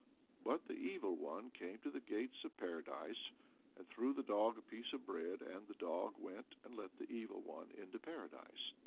But "the Evil One came to the gates of Paradise, and threw the dog a piece of bread, and the dog went and let the Evil One into Paradise.